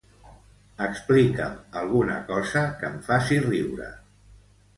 Explica'm alguna cosa que em faci riure.